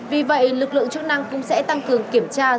vì vậy lực lượng chức năng cũng sẽ tăng cường kiểm tra